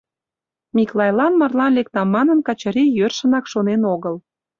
Миклайлан марлан лектам манын, Качырий йӧршынак шонен огыл.